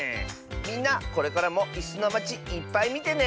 みんなこれからも「いすのまち」いっぱいみてね！